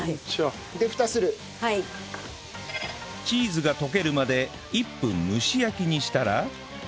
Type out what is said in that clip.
チーズが溶けるまで１分蒸し焼きにしたら